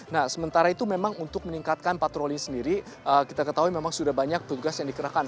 nah sementara itu memang untuk meningkatkan patroli sendiri kita ketahui memang sudah banyak tugas yang dikerahkan